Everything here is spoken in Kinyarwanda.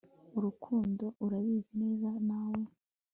Urankunda urabizi neza nawe